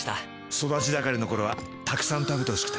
育ち盛りの頃はたくさん食べてほしくて。